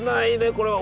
これは！